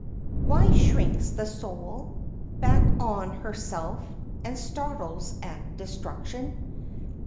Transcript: ] "Why shrinks the soul Back on herself, and startles at destruction?